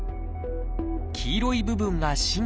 黄色い部分が神経。